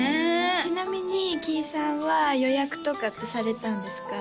ちなみにキイさんは予約とかってされたんですか？